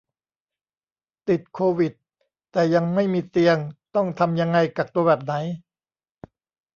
ติดโควิดแต่ยังไม่มีเตียงต้องทำยังไง กักตัวแบบไหน